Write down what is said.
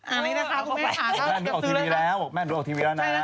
อันนี้นะคะคุณแม่ค่ะแม่หนูออกทีวีแล้วแม่หนูออกทีวีแล้วนะ